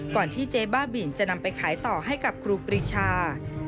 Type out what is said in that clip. ที่เจ๊บ้าบินจะนำไปขายต่อให้กับครูปรีชา